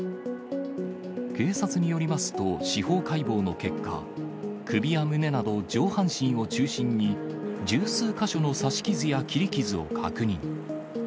警察によりますと、司法解剖の結果、首や胸など、上半身を中心に、十数か所の刺し傷や切り傷を確認。